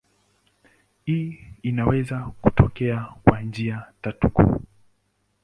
Hii inaweza kutokea kwa njia tatu kuu.